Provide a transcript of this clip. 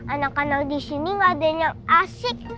anak anak di sini nggak ada yang asing